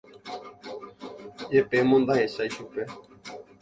Jepémo ndahechái chupe.